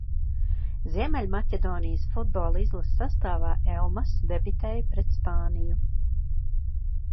Ziemeļmaķedonijas futbola izlases sastāvā Elmass debitēja pret Spāniju.